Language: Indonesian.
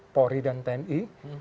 pori dan tni